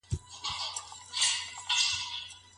د مؤمنانو ازارول څه حکم لري؟